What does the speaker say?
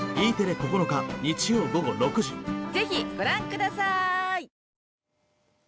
ぜひご覧くださーい！